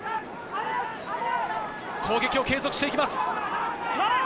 攻撃を継続していきます。